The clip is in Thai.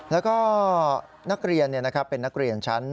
แล้วก็นักเรียนเป็นนักเรียนชั้น